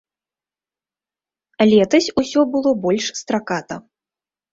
Летась усё было больш страката.